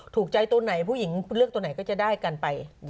ถูกใจตัวไหนผู้หญิงเลือกตัวไหนก็จะได้กันไป